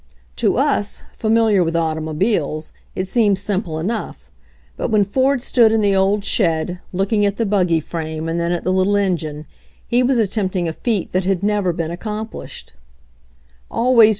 To us, familiar with automobiles, it seems sim ple enough, but when Ford stood in the old shed, looking at the buggy frame and then at the little engine, he was attempting a feat that had never been accomplished. Always